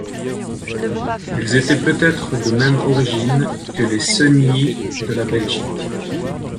Ils étaient peut-être de même origine que les Segni de la Belgique.